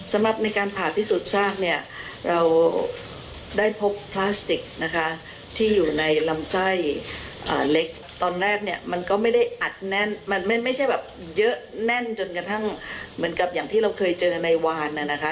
สำหรับในการผ่าพิสูจน์ซากเนี่ยเราได้พบพลาสติกนะคะที่อยู่ในลำไส้เล็กตอนแรกเนี่ยมันก็ไม่ได้อัดแน่นมันไม่ใช่แบบเยอะแน่นจนกระทั่งเหมือนกับอย่างที่เราเคยเจอในวานน่ะนะคะ